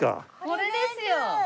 これですよ！